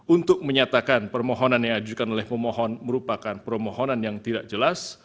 untuk menyatakan permohonan yang diajukan oleh pemohon merupakan permohonan yang tidak jelas